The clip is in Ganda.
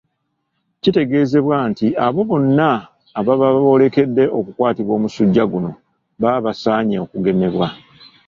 Kitegeezebwa nti abo bonna ababa boolekedde okukwatibwa omusujja guno baba basaanye okugemesebwa